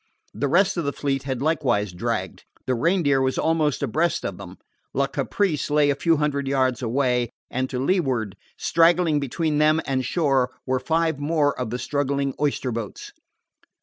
The rest of the fleet had likewise dragged. The Reindeer was almost abreast of them; La Caprice lay a few hundred yards away; and to leeward, straggling between them and shore, were five more of the struggling oyster boats.